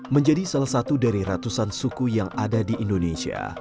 menjadi salah satu dari ratusan suku yang ada di indonesia